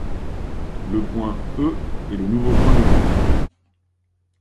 Le point E est le nouveau point d’équilibre.